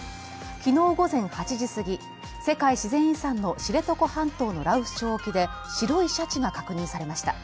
昨日午前８時過ぎ、世界自然遺産の知床半島の羅臼町沖で白いシャチが確認されました。